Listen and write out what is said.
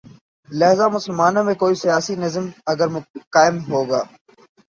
لہذا مسلمانوں میں کوئی سیاسی نظم اگر قائم ہو گا۔